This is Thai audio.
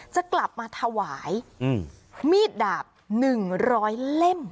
จะกลับมาถวายมีดดาบ๑๐๐เล่ม